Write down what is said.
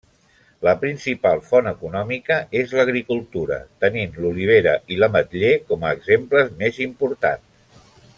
La principal font econòmica és l'agricultura, tenint l'olivera i l'ametller com a exemples més importants.